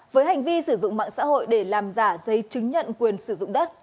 với hành vi sử dụng mạng xã hội để làm giả giấy chứng nhận quyền sử dụng đất